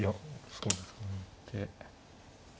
そうですかね。